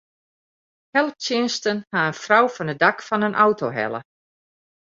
Helptsjinsten ha in frou fan it dak fan in auto helle.